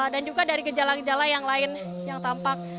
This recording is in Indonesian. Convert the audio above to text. dan juga dari gejala gejala yang lain yang tampak